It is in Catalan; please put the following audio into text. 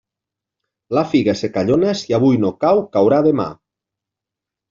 La figa secallona, si avui no cau, caurà demà.